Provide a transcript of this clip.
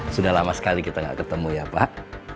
sudah lama sekali kita nggak ketemu ya pak